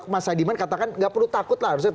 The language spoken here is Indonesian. mas adiman katakan tidak perlu takut lah